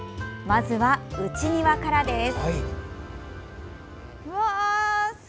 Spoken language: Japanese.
まずは、内庭からです。